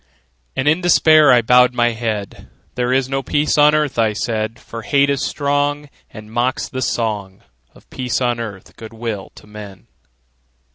And in despair I bowed my head; "There is no peace on earth," I said: "For hate is strong, And mocks the song Of peace on earth, good will to men!"